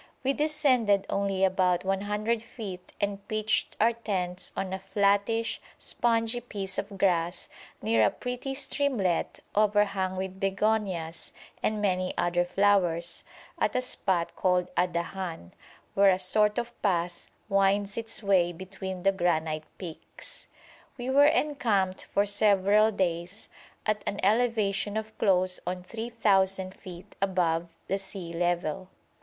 We descended only about 100 feet and pitched our tents on a flattish, spongy piece of grass, near a pretty streamlet overhung with begonias and many other flowers, at a spot called Adahan, where a sort of pass winds its way between the granite peaks. We were encamped for several days at an elevation of close on 3,000 feet above the sea level.